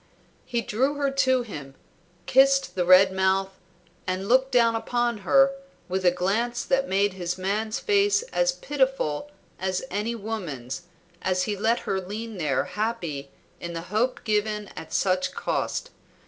He drew her to him, kissed the red mouth and looked down upon her with a glance that made his man's face as pitiful as any woman's as he let her lean there happy in the hope given at such cost.